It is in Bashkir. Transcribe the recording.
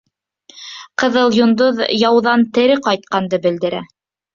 — Ҡыҙыл йондоҙ яуҙан тере ҡайтҡанды белдерә.